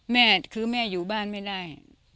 แม่คือแม่อยู่บ้านไม่ได้